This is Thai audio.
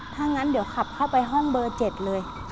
ถ้างั้นเดี๋ยวขับเข้าไปห้องเบอร์๗เลย